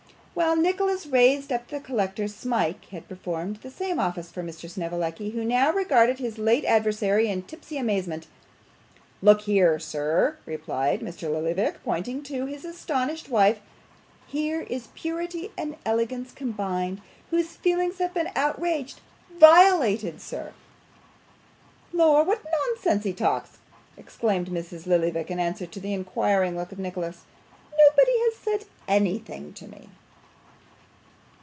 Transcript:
While Nicholas raised up the collector, Smike had performed the same office for Mr. Snevellicci, who now regarded his late adversary in tipsy amazement. 'Look here, sir,' replied Mr. Lillyvick, pointing to his astonished wife, 'here is purity and elegance combined, whose feelings have been outraged violated, sir!' 'Lor, what nonsense he talks!' exclaimed Mrs. Lillyvick in answer to the inquiring look of Nicholas. 'Nobody has said anything to me.